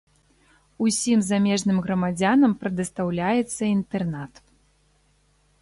Усім замежным грамадзянам прадастаўляецца інтэрнат.